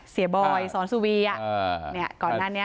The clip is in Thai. เสียบอยสอนสูวีโดยก่อนนั้น